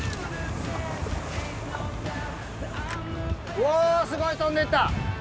うおすごい飛んでった！